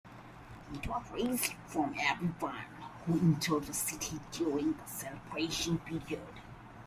It was raised from everyone who entered the city during the celebration period.